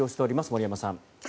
森山さん。